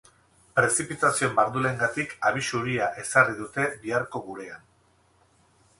Prezipitazio mardulengatik abisu horia ezarri dute biharko gurean.